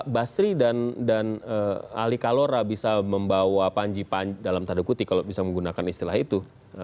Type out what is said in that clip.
basri dan ali kalora bisa membawa panji pan dalam tanda kutip kalau bisa menggunakan istilah itu